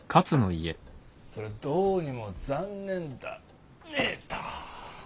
それはどうにも残念だねえっと。